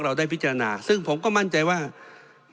เพราะฉะนั้นโทษเหล่านี้มีทั้งสิ่งที่ผิดกฎหมายใหญ่นะครับ